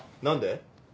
何で？